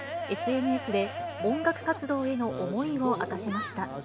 ＳＮＳで、音楽活動への思いを明かしました。